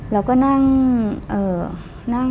เราก็นั่งเออ